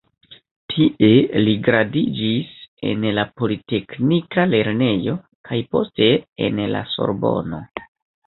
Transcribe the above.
Tie li gradiĝis en la "Politeknika Lernejo" kaj poste en la Sorbono.